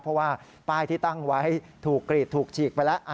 เพราะว่าป้ายที่ตั้งไว้ถูกกรีดถูกฉีกไปแล้ว